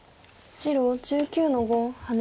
白１９の五ハネ。